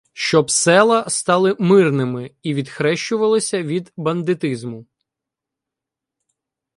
Щоб села стали "мирними" і відхрещувалися від "бандитизму".